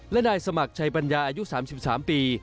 และนายสมัครชัยปัญญาอายุ๓๓ปี